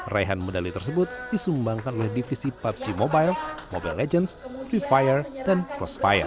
raihan medali tersebut disumbangkan oleh divisi pubg mobile mobile legends free fire dan crossfire